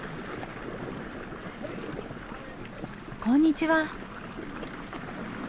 こんにちは。